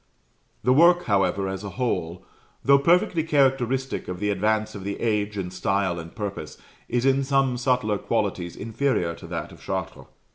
The work, however, as a whole, though perfectly characteristic of the advance of the age in style and purpose, is in some subtler qualities inferior to that of Chartres.